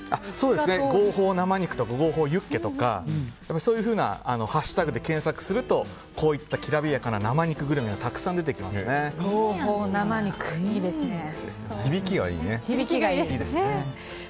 合法生肉とか合法ユッケとかそういうふうなハッシュタグで検索するとこういったきらびやかな生肉グルメが響きがいいね。